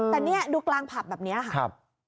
แต่นี่ดูกลางผับแบบนี้ค่ะ